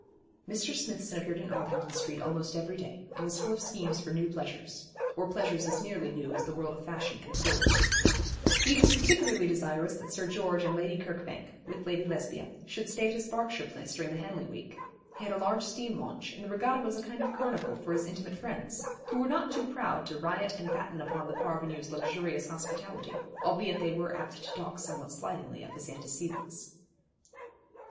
Mr. Smithson appeared in Arlington Street almost every day, and was full of schemes for new pleasures or pleasures as nearly new as the world of fashion can afford. He was particularly desirous that Sir George and Lady Kirkbank, with Lady Lesbia, should stay at his Berkshire place during the Henley week. He had a large steam launch, and the regatta was a kind of carnival for his intimate friends, who were not too proud to riot and batten upon the parvenu's luxurious hospitality, albeit they were apt to talk somewhat slightingly of his antecedents.